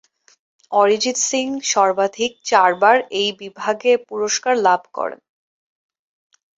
অরিজিৎ সিং সর্বাধিক চারবার এই বিভাগে পুরস্কার লাভ করেন।